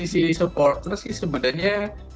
sisi supporter sih sebenarnya